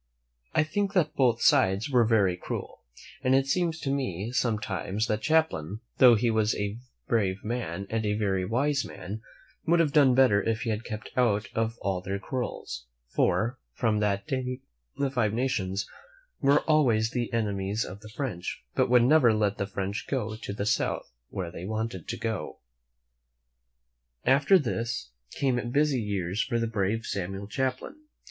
I think that both sides were very cruel, and it seems to me sometimes that Champlain, though he was a brave man and a very wise man, would have done bet ter if he had kept out of all their quarrels; for, from that day, the Five Nations were always the enemies of the French, and would never let the French go to the south, where they wanted to go. After this, came busy years for the brave Samuel Champlain.